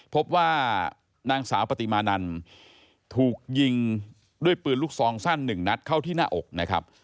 พบว่านางสาวปฏิมานรถูกยิงด้วยปืนลูกทรองสั้น๑นัดเข้าที่หน้าอก